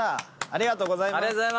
ありがとうございます。